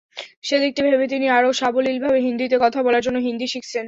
সেদিকটা ভেবে তিনি আরও সাবলীলভাবে হিন্দিতে কথা বলার জন্য হিন্দি শিখছেন।